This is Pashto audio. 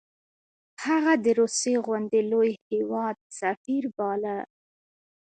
هغه د روسیې غوندې لوی هیواد سفیر باله.